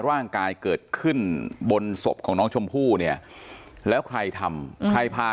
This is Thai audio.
ร่างกายเกิดขึ้นบนศพของน้องชมพู่เนี่ยแล้วใครทำใครพา